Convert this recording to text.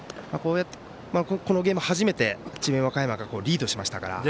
このゲーム初めて智弁和歌山がリードしましたから。